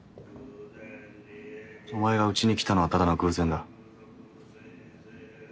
お前がうちに来たのはただの偶然だ。